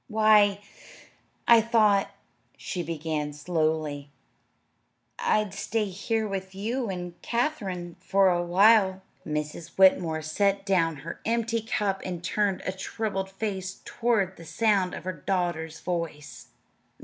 "Why, I thought," she began slowly, "I'd stay here with you and Katherine a while." Mrs. Whitmore set down her empty cup and turned a troubled face toward the sound of her daughter's voice.